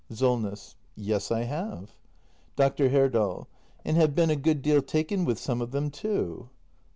SOLNESS. Yes, I have. Dr. Herdal. And have been a good deal taken with some of them, too.